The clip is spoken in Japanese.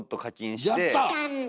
やった⁉したんだ。